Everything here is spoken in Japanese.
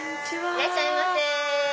いらっしゃいませ。